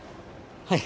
はい。